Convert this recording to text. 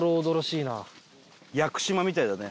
屋久島みたいだね。